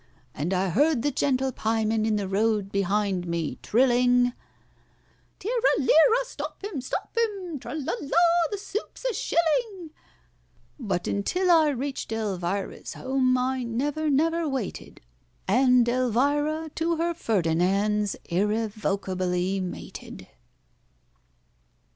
And I heard the gentle pieman in the road behind me trilling, "'Tira, lira!' stop him, stop him! 'Tra! la! la!' the soup's a shilling!" But until I reached ELVIRA'S home, I never, never waited, And ELVIRA to her FERDINAND'S irrevocably mated!